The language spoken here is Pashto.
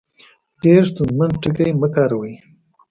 ډېر ستونزمن ټکي مۀ کاروئ